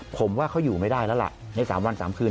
ผมว่าเขาอยู่ไม่ได้แล้วล่ะใน๓วัน๓คืน